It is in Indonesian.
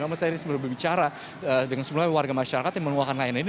karena saya ini sebelum bicara dengan semua warga masyarakat yang menolakkan lain lain ini